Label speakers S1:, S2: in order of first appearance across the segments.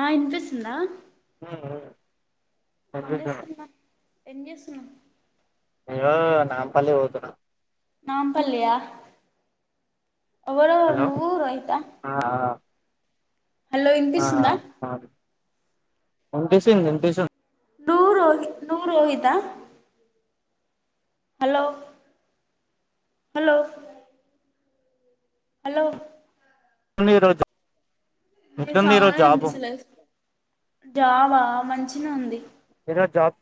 S1: ఆ వినిపిస్తుందా ఏం చేస్తున్నా ఏం చేస్తున్నావు
S2: నేను నాంపల్లి పోతున్న
S1: నాంపల్లి హ ఎవరెవరు
S2: హలో
S1: నువ్వు రోహిత హలో
S2: ఆహా
S1: ఇనిపిస్తుందా
S2: ఆహా ఓకే వినిపిస్తుంది వినిపిస్తుంది
S1: నువ్వు రుహి నువ్వు రోహిత హలో హలో హలో
S2: ఎట్లుంది ఈరోజు
S1: నీ
S2: ఎట్లుంది ఈరోజు
S1: సౌండే
S2: జాబు
S1: వినిపిస్తలేదు జాబా మంచినే ఉంది
S2: ఈరోజు జాబ్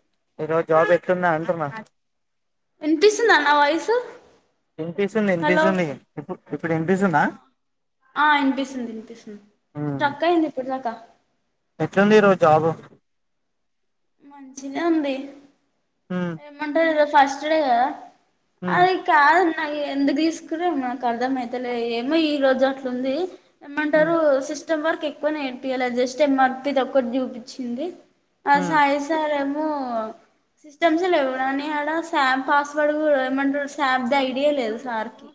S2: ఈరోజు జాబ్ ఎట్లుంది అంటున్నా
S1: వినిపిస్తుందా నా వాయిస్
S2: వినిపిస్తుంది
S1: హలో
S2: వినిపిస్తుంది ఇప్పుడు ఇప్పుడు వినిపిస్తుందా
S1: ఆ వినిపిస్తుంది వినిపిస్తుంది స్టక్ అయింది ఇప్పటి దాకా
S2: ఎట్లుంది ఈరోజు జాబు
S1: మంచిగానే ఉంది
S2: హ్మ్
S1: ఏమంటారు ఈరోజు ఫస్ట్ డే కదా
S2: హ్మ్
S1: అది కాదు అ అవి ఎందుకు తీసుకున్నారో నాకు అర్ధంయితలే ఏమో ఈ రోజు అట్లుంది
S2: హ్మ్
S1: ఏమంటారు సిస్టమ్ వర్క్ ఎక్కువ నేర్పియలే జస్ట్ ఎమ్ ఆర్ పి ఒకటి చూపించింది
S2: హ్మ్
S1: పైసలు ఏమో నో సిస్టం ముందు లేవునే ఆడ సామ్ పాస్వర్డ్ ఏమంటారు శాబ్ద ఐడియా లేదు సార్ కి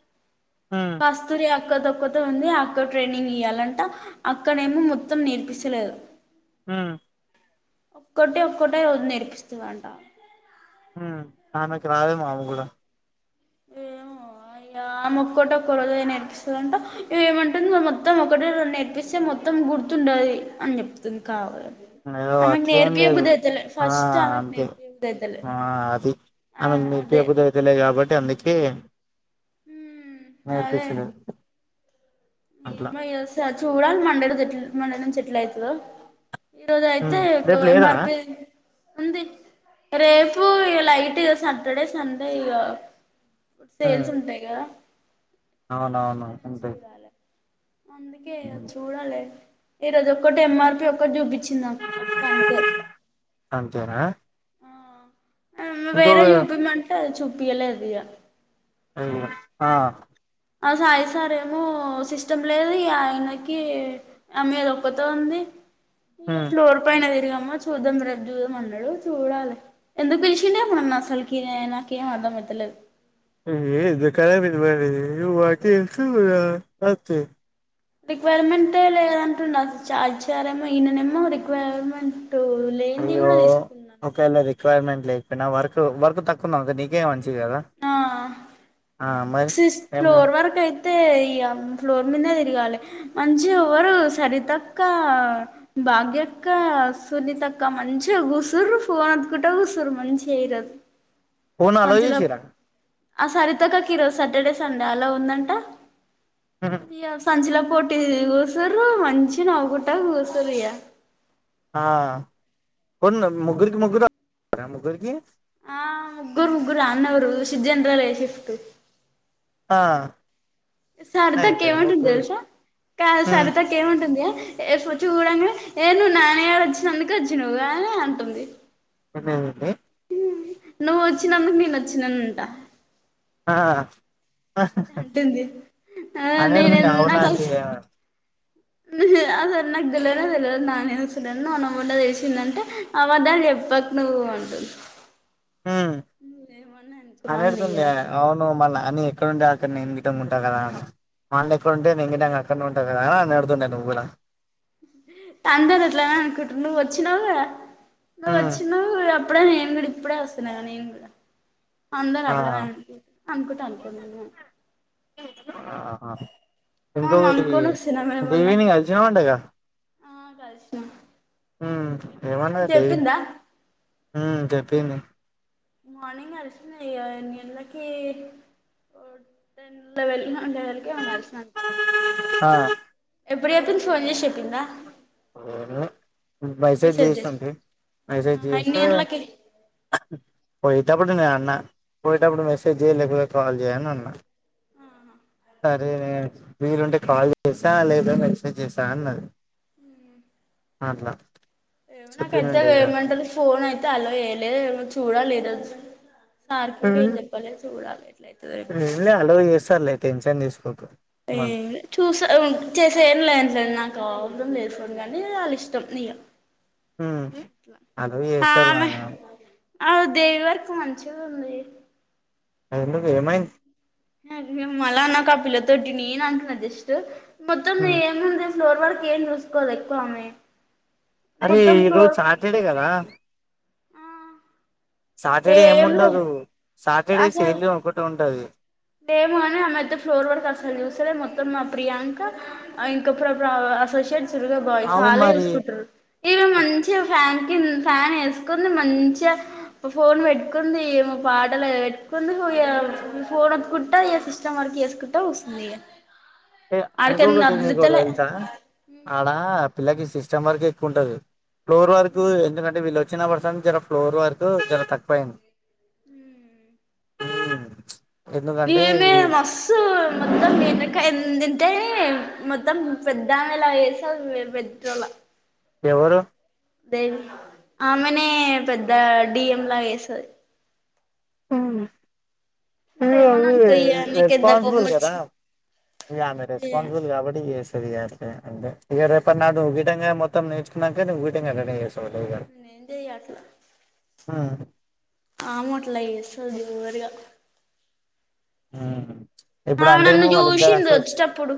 S2: హ్మ్
S1: కస్తూరి ఒక్క ఒక్కతే ఉంది అక్క ట్రైనింగ్ ఇయ్యాలంట అక్క నేమో మొత్తం నేర్పిస్తలేదు
S2: అహ
S1: ఒక్కటి ఒక్కటే రోజు నేర్పిస్తదంట
S2: హు అమెకి రాదేమో అవి కూడా
S1: అయ్యో ఆమె ఒక్కటి ఒక్క రోజే నేర్పిస్తదంట ఏమంటుంది మొత్తం ఒకటే రోజు నేర్పిస్తే మొత్తం గుర్తు ఉండది అని చెప్తుంది కావాలని
S2: అయ్యో అట్లేమ్ లేదు ఆ
S1: ఫస్ట్ ఆమెకు
S2: అంతే
S1: నేర్పియ బుద్ధి అయితలే
S2: ఆ అది
S1: ఆ
S2: ఆమెకు నేర్పియో
S1: అదే
S2: బుద్ధి అయితలేదు కాబట్టి అందుకే
S1: హు
S2: నేర్పిస్తారు
S1: ఏమో ఇగ వస్త చూడాలి మండే రోజు ఎట్లా మండే నుంచి ఎట్ల అయితదో ఈరోజు అయితే
S2: ఉమ్
S1: ఒక
S2: రేపు
S1: ఎమ్
S2: లేదా
S1: ర్ పి ఉంది రేపు ఇగ లైట్ గా సాటర్డే సండే ఇగ ఇప్పుడు
S2: ఉమ్
S1: సేల్స్ ఉంటాయి కదా ఇగ
S2: అవునవును
S1: మండే నుంచి
S2: ఉంటాయి
S1: చూడాలే అందుకే ఇగ చూడాలి ఈరోజు ఒక్కటి ఎమ్ ర్ పి ఒక్కటి చూపిచ్చింది చ్చిన అక్క అంతే
S2: అంతేనా
S1: ఆమె
S2: ఇంకొక
S1: వేరే చూపించమంటే చూపియ్యలేదు ఇగ
S2: అయ్యో ఆ
S1: ఆ సాయి సార్ ఏమో సిస్టం లేదు ఇగా ఆయనకీ అమ్మేదొక్కతే ఉంది. ఇగ
S2: ఉమ్
S1: ఫ్లోర్ పైన తిరగం ఏమో చూద్దం రేప్ చూద్దం అన్నడూ చూడాలె. ఎందుక్ పిలిషిండేమో నన్నసల్కీ ఏమొ నాకేమ్ అర్థం ఐతలేద్
S2: ఏ ద కరది మ ఇకే ఎసు అంతే [inaudible]
S1: రిక్వైర్మెంటే లేదంటుండు అస్ చారి చారేమో ఈయననేమో రిక్వైర్మెంట్ లేనిది
S2: అయ్యో
S1: కూడా తీసుకున్నాను
S2: ఒకేలా రిక్ రిక్వైర్మెంట్ లేకపోయినా వర్క్ వర్క్ తక్కువుంది అనుకో నీకే మంచిది గదా.
S1: ఆ
S2: ఆ మరి
S1: సిస్
S2: ఏమో
S1: ఫ్లోర్ వర కై తే ఇగా ఫ్లోర్ మీదనే తిరగాలె. మంచిగ ఎవ్వరూ సరితక్కా భాగ్యక్కా, సునీతక్క మంచిగ కూసుర్రు ఫోన్ ఒత్తుకుంట కూసుర్రు మంచిగ ఈ రోజు.
S2: ఫోన్ అల్లో చేశిన్రా.
S1: ఆ సరితక్కకీ ఈరోజు సాటర్డే, సండే అలవు ఉందంట. ఇగ సంచిలో పొట్టిదిది కూసుర్రూ మంచిగ నవ్వుకుంటా కూసుర్రు ఇంతగా.
S2: ఆ ఫోన్ ముగ్గురికి ముగ్గురు [inaudible] ముగ్గురికీ.
S1: ఆ ముగ్గురు ముగ్గురు ఆన్నే ఉర్రు షిఫ్ట్ జెనరల్ షిఫ్టు.
S2: ఆ
S1: సరితక్క
S2: అయిపోయారు
S1: ఏమంటుంది
S2: ముగ్గురు
S1: తెల్సా, కాద్
S2: ఉమ్
S1: సరితక్క ఏమంటుందీ ఎఫ్ చూడంగనే ఏ నువ్వు నానిగాడు వచ్చినందుకే వచ్చినవ్ గదనే అంటుంది.
S2: [unintelligible]
S1: నువ్వు వచ్చినందుక్ నేను వచ్చిననంట.
S2: ఆ
S1: అంటుంది ఆ నేను
S2: అనేడ్దుండే అవునాంటీ ఆ
S1: అసల్ నాక్ తెల్వనే తెల్వద్ నాని వస్తుండనీ నోనో! ! ! ! ! ! ! ! ! ! చేశిందంటే. అబద్దాల్ చెప్ప పక్ నువ్వు అంటుంది.
S2: హ్ము
S1: ఏమన్నా అనుకున్నాను ఇగ
S2: అనేడ్దుండే అవును మా నాని ఎక్కడుంటే అక్కడ నేన్ గిట్టం ఉంటా గదా అని. మా అన్న ఎక్కడుంటే నేన్ గిటంగా అక్కడనే ఉంట గదా అనేడ్దుండే నువ్వు గూడా.
S1: వచ్చినవ్వు గదా, నువ్
S2: ఉమ్
S1: వచ్చినవ్వూ ఇగ అప్పుడే నేన్ గూడా ఇప్పుడే వస్తున్న గదా నేను గూడా. అందరు
S2: ఆ
S1: అట్లనే అనుకుంటురు అనుకుంటే అనుకోని ఏం గాద్
S2: ఆ
S1: మేము
S2: ఇంకొకటి ఇదీ
S1: అనుకోని వస్తున్నాం మేమన్నా
S2: దేవిని కలిసినవంటగా.
S1: ఆ కల్శినా
S2: ఊ ఏమన్నది దేవి. ఊ చెప్పంది.
S1: మార్నింగ్ కలిశినా ఇగా ఎన్ని గంటలకీ ఓ టెన్ లెవల్ ఇహా ఔన్ లెవల్కే ఏమొ కల్శినా అనుకుంట. ఎప్పుడు చెప్పంది ఫోన్ చేశి చెప్పిందా.
S2: అవును బైసేజ్
S1: మెసేజ్
S2: చేస్
S1: చేసి
S2: నుంచీ. మెసేజ్
S1: ఆహా ఎన్ని
S2: చేస్తే
S1: గంటలకి
S2: పొయ్యేటప్పుడు నేన్ అన్నా పొయ్యేటప్పుడు మెసేజ్ చేయి లేకపోతే కాల్ చేయి అని అన్నా. సరే నే వీలుంటే కాల్ చేస్తా లేదా మెసేజ్ చేస్తా అన్నది. అట్లా
S1: ఏమో నాకైతే
S2: చెప్పినండి ఇగ
S1: ఏమంటరు ఫోన్ అయితే అలవ్ చెయ్యలేదు ఏమో చ్ చూడాలి ఈరోజు సార్కి గూడా ఏం చెప్పాలేద్ చూడాలి. ఎట్లయితదో
S2: ఇది ఏం లే అల్లవు చేస్తరు లే టెన్షన్ తీసుకోకు. వాళ్ళు
S1: ఏంలే చూస్తా అవు చేసే ఏం లేన్సర్ నాకూ సాయంత్రం లేద్ ఫోన్ గానీ వాళ్ళిష్టం ఇగా
S2: ఊ అలవు చేస్తరు అయినా గాని
S1: ఆవు దేవి వర్కు మంచిగుంది.
S2: అదెందుకు ఏమైంద్
S1: మేమలా నాకు ఆ పిల్లతోటి న అకు నా జస్ట్ మొత్తం
S2: ఉమ్,
S1: ఏముంది ర్ వరకు ఏం చూసుకోదు ఎక్కువ ఆమెమె
S2: అరే ఈరోజు సాటర్డే కదా సాటర్డే ఏమి
S1: ఏం లేదు
S2: ఉండదు సాటర్డే శైలి ఒకటి ఉంటది
S1: మ కాని ఆమె అయితే ఫ్లోర్ వర్క్ అసలు చూసారే మొత్తం మా ప్రియాంక ఇంక అసోసియేట్ చురుగా బాయ్
S2: అవు
S1: చాలా
S2: మరి
S1: చూసుకుంటారు ఇవి మంచిగా ఫ్యాన్ ఫ్యాన్ వేసుకుని మంచిగా ఫోన్ పెట్టుకుంది ఏమో పాటలు పెట్టుకుంది ఫోన్ వతుకుంటా ఏ సిస్మ్ వరకు చేసుకుంటా కుస్తుంది ఈగ
S2: ఏ చం గడద ఎసా ఆడా పిల్లకి సిస్టమ్ వర్క్ ఎక్కువ ఉంటది ఫ్లోర్ వర్క్ ఎందుకంటే వీళ్ళచ్చ వ చిన పడుసంల ఫ్లోర్ వరకు చాలా తక్కువ అయింది హ
S1: నమే మస్ మ మీనకాయ ఎందింత అంటే మొత్తం పెద్దాన్న ఇలా వేస పెట్టోల
S2: ఎవరు
S1: దేవి ఆమెనే పెద్ద డిఎంలా చేస్తది నువ్వేమని
S2: అ
S1: అనుకో ఇగ నీకెంత కోపం
S2: రెస్పాసిబల్ కదా
S1: వచ్చింది
S2: ఇయామె
S1: ఇగ
S2: రెస్పపాన్సిబల్ కాబటి చే ఇక రేప నా ను్ విటంగా మొత్తం నేచున్నాక వింగా రెడీ చేస్తా
S1: చేయ అట్లా
S2: ఆ
S1: ఆమో చేస్తది ఓవర్ గా
S2: ఆ
S1: ఆమె నన్ను చూసింది వచ్చేటప్పుడు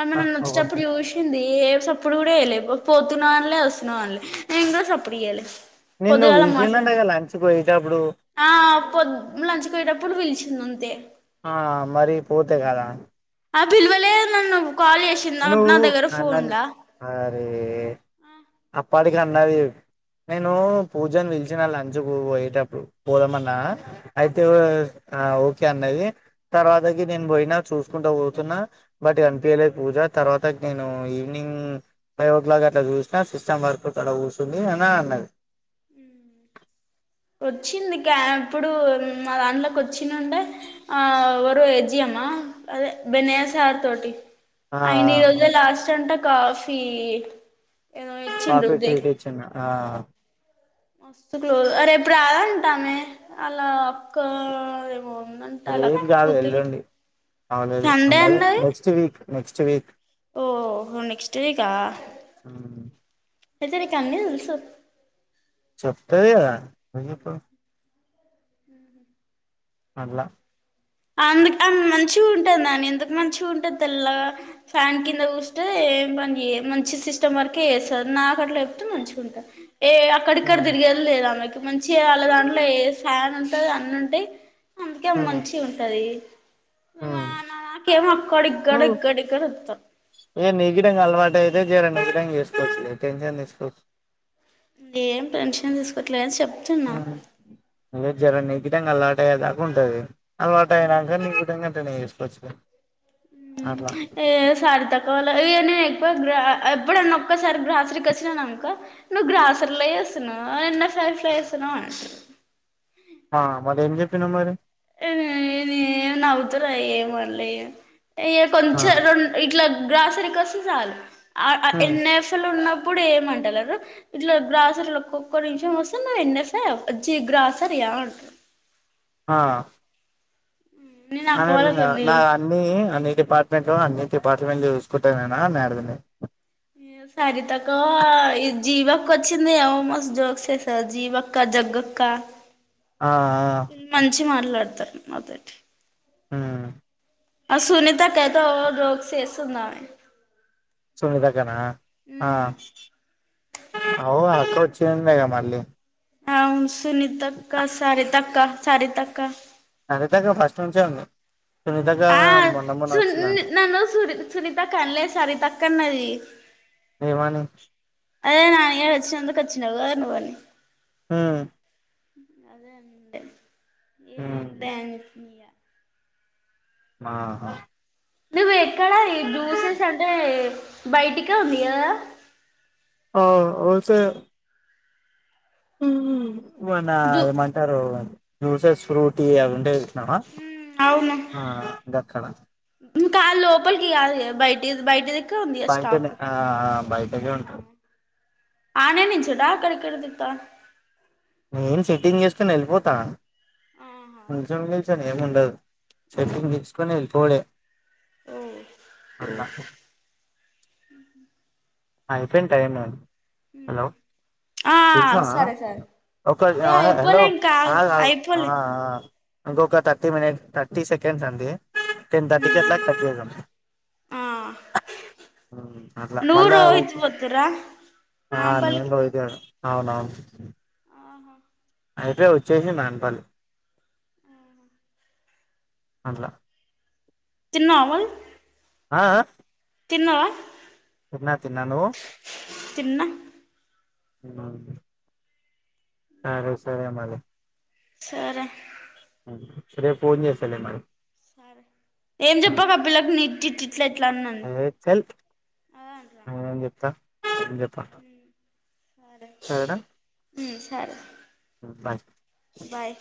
S1: ఆమె
S2: ఆ
S1: నన్ను వచ్చేటప్పుడు చూసింది ఏ సప్పుడు కూడా వ వెయాలలే పోతున్నా అనలే వస్తున్నా అనలే ఇంకా సప్పుడువయ్యాలి
S2: నిన్న నువ్వు విలిచిందం లంచ్కి పోయేటప్పుడు
S1: ఆ పొద్ లంచ్కి యేటప్పుడు పిలిచింది అంతే
S2: ఆ మరి పోతే కదా
S1: ఆ పిల్వలే నన్ను కాల్ చేసింది నా
S2: నువ్వు
S1: దగ్గర
S2: అన్న
S1: ఫోన్ ఉందా
S2: అరే అప్పటికి అన్నది నేను పూజను పలిచిన లంచ్ కు పోయేటప్పుడు పోదామన్నా అయితే ఆ ఓకే అన్నది తర్వాతకి నేను పోయినా చూసుకుంటా పోతున్నా బట్ కనిపిలే పూజ తర్వాత నేను ఈవినింగ్ ఫైవ్ ఓ క్లాక్ అట్లా చూసినా సిస్టమ్ వర్క్ అక్కడ కూర్చంది అని అ అ
S1: వచ్చింది క ఇప్పుడు మా దాంట్లోకి వచ్చినంటే ఆవరో ఎజియమ్మా అదే బెన్సాయా సార్ తోటి
S2: ఆ
S1: అయిన్ని ఈ రోజు లాస్ట్ అంటా కాఫీ ఏదో ఇచ్చిండు
S2: పాఫెట్ టీచ్చన్నా ఆ
S1: వస్తు క్లో రేపు రాద అంటామే అలా అక్క ఏమో ఉందంట వాళ్ళ
S2: అరేం
S1: అక్క
S2: కాదు
S1: కూతురు
S2: వెళ్ళండి అవలేదు
S1: సండే
S2: అ అదే
S1: అన్నది
S2: నెక్స్ట్ వీక్ నెక్స్ట్ వీక్
S1: ఓ హ నెక్స్ట్ వీక్ ఆ ఐతే నీక్ అన్ని తెలుసు
S2: చెప్తది కదా ఎందుకు
S1: హ
S2: అట్లా
S1: అందుకు అ మంచి ఉంటుందాని ఎందుకు మంచిగా ఉంటాంది తెల్ల ఫాన్ కింద కూూస్తే పని మంచి సిస్టమ్ వరకే చేస్తారు నా అట్లో చెప్తూ మంచిగా ఉంటుంది ఏ అక్కడిక్కడ
S2: ఉమ్
S1: తిరిగేది లేదుామెకి మంచిగా వాళ్ళ దాంట్లో ఏ ఫ్యాన్ ఉంటుంది అన్న ఉంటాయి అందుకే
S2: ఉమ్
S1: మంచి ఉంటది నా
S2: ఉమ్
S1: నాకేమో కొడిక్
S2: నువ్వు
S1: గడిక్ గడిక్ అని వత్తర్
S2: [unintelligible] చేసుకోవచ్చు లే టెన్షన్ తీసుకోక్
S1: ఏం పెన్షన్ తీసుకోవట్లే గాని చెప్
S2: మ్మ్ జరం నీగిటంగా అల్లాటయ్యే దాకా ఉంటది. అలవాటు అయినంక నీకు గుటంగ అట్లనే చేసుకోవచ్చు గా అట్ల
S1: ఏ సరితక్క వాళ్ళ ఇయెన్ని ఎక్కువ గ్రా ఎప్పుడన్నా ఒక్కసారి గ్రాసురికి వచ్చిననుకో నువ్ గ్రాసర్లో చేస్తున్నవా ఎన్నొ ఫ్రైస్లో చేస్తున్నవా అంటరు
S2: ఆ మరి ఏం చెప్పినవ్ మరి
S1: నే నవ్వుతరు ఏమండ్లే ఇగ ఇగ
S2: ఆ
S1: కొంచెం రెం ఇట్లా గ్రాసరీ కొస్తే చాలు అ అ
S2: ఉమ్
S1: ఎన్ ఎఫ్ లు ఉన్నప్పు అప్పుడు ఏమంటలేరు ఇట్లా గ్రాసరి ఒక్క నిమిషం వస్తే నువ్ ఎన్ ఎఫా ఛీ గ్రాసరీ రా అడుగుతు
S2: హాఁ
S1: నేను అక్క
S2: అనేదుండే
S1: వాళ్ళతోని
S2: నా అన్ని అన్ని డిపార్ట్మెంట్లు అన్ని డిపార్ట్మెంట్లు చూసుకుంటున అనేడిదుండే
S1: సరితక్కా ఈ జీవక్క వచ్చింది ఆమ మస్త్ జోక్సేస్తది జీవక్క, జగ్గక్ క
S2: ఆ
S1: ఈళ్ళు మంచిగ మాట్లాడతరు నాతోటి.
S2: మ్మ్
S1: ఆ సునీతక్కైతే ఓ జోక్స్ ఏస్తుందామె.
S2: సునీతక్కనా ఆ అవ్వు వచ్చిండే గా మళ్ళీ
S1: ఆ సునీతక్క సరితక్క సరితక్క
S2: సరితక్క ఫస్ట్ నుంచే ఉంది.
S1: మ్
S2: సునీతక్క
S1: ఆఁ
S2: మొన్న మొన్న
S1: సున్
S2: వచ్చిందంట
S1: నన్ను సుని సునితక్క అన్లేద్ సరితక్కన్నది.
S2: ఏమని
S1: అదే నాని గాడు వచ్చినందుకు వచ్చినవ్ కదా నువ్వని
S2: మ్మ్
S1: అదే అనుండే
S2: ఉమ్
S1: ఏంలే అని చెప్పిన ఇగ
S2: ఆ హాఁ
S1: నువ్ ఎక్కడ ఈ జ్యూసెస్ అంటే బయటికే ఉంది కదా
S2: ఆఁ అవుట్ సైడే మ్మ్ మొన్న
S1: జూ
S2: ఏమంటరు జ్యూసెస్ ఫ్రూటీ అవి ఉండే చూశినవా ఆ గక్కడ.
S1: ఇం క లోపలికి కాదిగ బైటి
S2: బయటనే ఆ ఆ బయటనే ఉంటది
S1: ఆనే నించుంటవా అక్కడిక్కడ తిప్పుతవా
S2: నేను సెట్టింగ్ చేసుకొని ఎళ్ళిపోతా
S1: ఆహా
S2: నిల్చోని గిల్చోని ఏం ఉండదు సెటింగ్
S1: ఆహా
S2: తీసుకొని ఎళ్ళిపోవుడే.
S1: ఓ
S2: అట్ల అయిపోయింది టైము
S1: హ్మ్ హు
S2: తెలుసా ఒక
S1: ఏ
S2: ఆ హలో
S1: అయిపోలే ఇంకా
S2: ఆ
S1: అయిపోలే
S2: ఆ ఇంకొక థర్టీ మినిట్ థర్టీ సెకండ్స్ అండి. టెన్
S1: ఉమ్
S2: తర్టికట్ల కట్ చేద్దం.
S1: ఆ
S2: మ్ అట్ల
S1: నువ్వు
S2: మళ్ళా
S1: రోహిత్ పోతుర్రా
S2: ఆ నేను
S1: నాంపల్లికి
S2: రోహితే ఉన్నం అవునవును.
S1: ఆహా
S2: అయితే వచ్చేసెయ్ నాంపల్లి అట్ల
S1: తిన్నవా మరి
S2: ఆ ఆఁ
S1: తిన్నవా
S2: తిన్న తిన్న నువ్వు
S1: తిన్న
S2: తిన్నానండి సరే సరే మరి
S1: సరే
S2: సరే ఫోన్ చేస్తలే మరి
S1: సరే ఏం చెప్పావు పిల్లకి నీ ఇట్ ఇట్లా ఎట్లా అంది
S2: ఏ చల్ నేనేం చెప్పా ఏం చెప్పలేదు
S1: సరే
S2: సరేనా
S1: ఉమ్ సరే
S2: బాయ్
S1: బాయ్